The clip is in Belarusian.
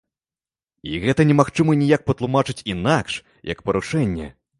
І гэта не магчыма ніяк патлумачыць інакш, як парушэнне.